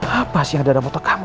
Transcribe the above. apa sih yang ada di foto kamu